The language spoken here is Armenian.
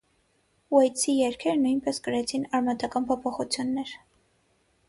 Ուեյթսի երգերը նույնպես կրեցին արմատական փոփոխություններ։